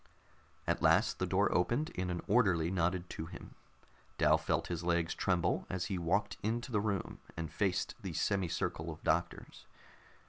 At last the door opened, and an orderly nodded to him. Dal felt his legs tremble as he walked into the room and faced the semi circle of doctors.